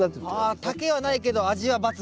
丈はないけど味は抜群。